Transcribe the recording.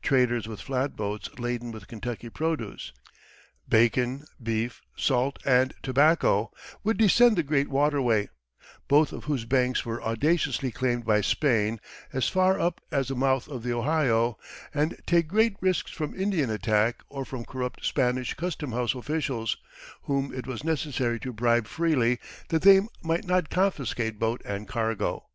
Traders with flatboats laden with Kentucky produce bacon, beef, salt, and tobacco would descend the great waterway, both of whose banks were audaciously claimed by Spain as far up as the mouth of the Ohio, and take great risks from Indian attack or from corrupt Spanish custom house officials, whom it was necessary to bribe freely that they might not confiscate boat and cargo.